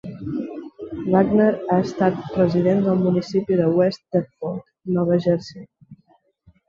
Wagner ha estat resident del municipi de West Deptford, Nova Jersey.